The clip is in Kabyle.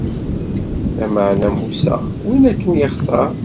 Lameɛna Musa, win akken yextar.